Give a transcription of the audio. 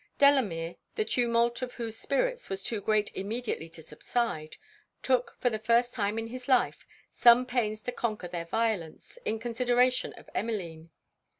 Delamere, the tumult of whose spirits was too great immediately to subside, took, for the first time in his life, some pains to conquer their violence, in consideration of Emmeline.